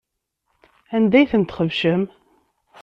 Anda ay ten-txebcem?